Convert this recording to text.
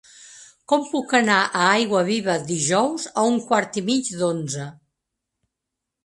Com puc anar a Aiguaviva dijous a un quart i mig d'onze?